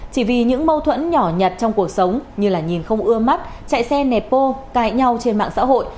chỉ vì những mâu thuẫn nhỏ nhặt trong cuộc sống như là nhìn không ưa mắt chạy xe nẹp bô cài nhau trên mạng xã hội